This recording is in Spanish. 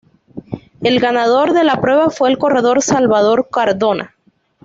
El ganador de la prueba fue el corredor Salvador Cardona.